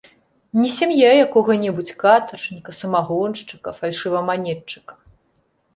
Не сям'я якога-небудзь катаржніка, самагоншчыка, фальшываманетчыка.